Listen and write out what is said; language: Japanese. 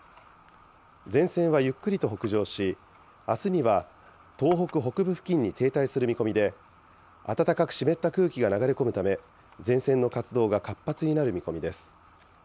前線はゆっくりと北上し、あすには東北北部付近に停滞する見込みで、暖かく湿った空気が流れ込むため、前線の活動が活発になる見込みです。